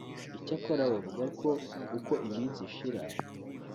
Icyakora bavuga ko uko iminsi ishira